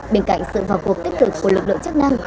bên cạnh sự vào cuộc tích cực của lực lượng chức năng